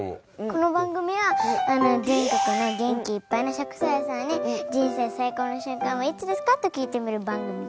この番組は全国の元気いっぱいな１００歳さんに「人生最高の瞬間はいつですか？」と聞いてみる番組です。